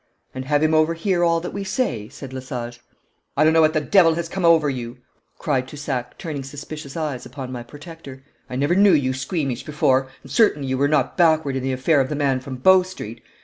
'And have him overhear all that we say,' said Lesage. 'I don't know what the devil has come over you,' cried Toussac, turning suspicious eyes upon my protector. 'I never knew you squeamish before, and certainly you were not backward in the affair of the man from Bow Street.